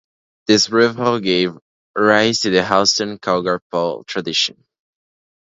This rivalry gave rise to the Houston Cougar Paw tradition.